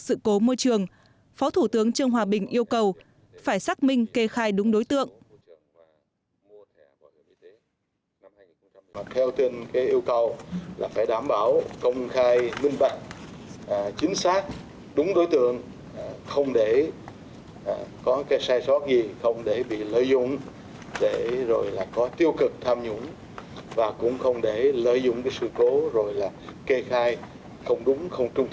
sự cố môi trường phó thủ tướng trương hòa bình yêu cầu phải xác minh kê khai đúng đối tượng